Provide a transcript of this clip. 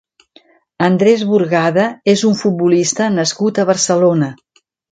Andrés Burgada és un futbolista nascut a Barcelona.